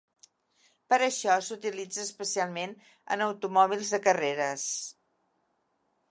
Per això s'utilitza especialment en automòbils de carreres.